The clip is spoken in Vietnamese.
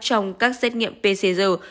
trong các xét nghiệm pcr